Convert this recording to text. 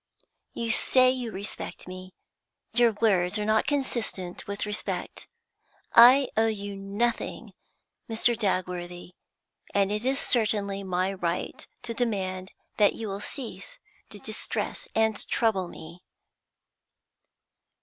You say you respect me; your words are not consistent with respect. I owe you nothing, Mr. Dagworthy, and it is certainly my right to demand that you will cease to distress and trouble me.'